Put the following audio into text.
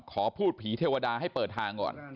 ขอพูดผีเทวดาให้เปิดทางก่อน